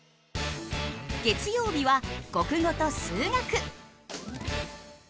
月曜日は国語と数学。